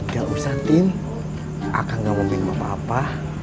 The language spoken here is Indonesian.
gak usah tin aku gak mau minum apa apa